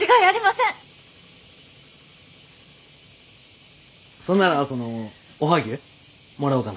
そんならそのおはぎゅうもらおうかな。